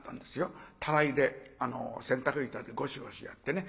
たらいで洗濯板でゴシゴシやってね。